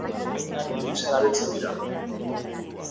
Lumak apaingarri gisa erabiltzen dira.